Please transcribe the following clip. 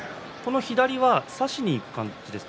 左は差しにいく感じですか。